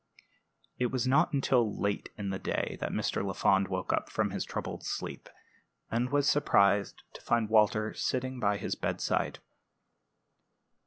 It was not until late in the day that Mr. Lafond woke from his troubled sleep, and was surprised to find Walter sitting by his bedside.